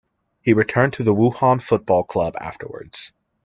He returned to the Wuhan football club afterwards.